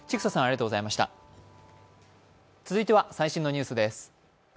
続いては最新のニュースです。